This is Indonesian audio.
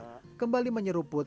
lalu saya mencoba dengan kekuatan